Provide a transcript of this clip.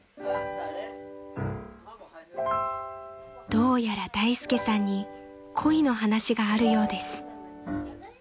［どうやら大介さんに恋の話があるようです］